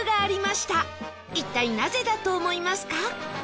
一体なぜだと思いますか？